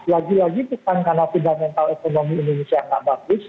lagi lagi bukan karena fundamental ekonomi indonesia yang tidak bagus